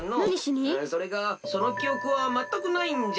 それがそのきおくはまったくないんじゃ。